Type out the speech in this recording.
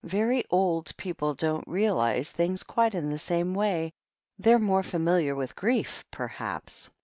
"Very old people don't realize things quite in the same way — they're more familiar with grief, perhaps."